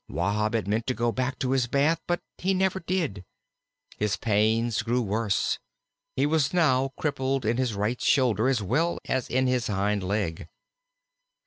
Wahb had meant to go back to his bath, but he never did. His pains grew worse; he was now crippled in his right shoulder as well as in his hind leg.